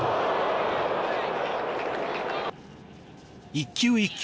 １球１球